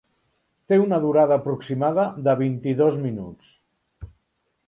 Té una durada aproximada de vint-i-dos minuts.